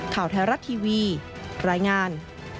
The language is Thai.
ข่าวไทยรัฐทีวีรายงาน